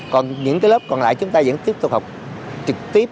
còn những cái lớp còn lại chúng ta vẫn tiếp tục học trực tiếp